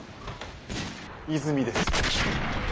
泉です。